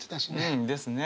うんですね